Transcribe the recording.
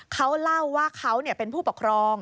เขาเล่าว่าเขาเป็นผู้ปกครอง